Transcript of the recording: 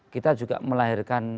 kita juga melahirkan